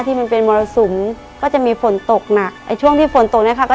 ในแคมเปญพิเศษเกมต่อชีวิตโรงเรียนของหนู